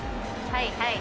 はいはい。